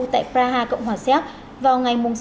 tại praha cộng hòa sip vào ngày sáu tháng một mươi tới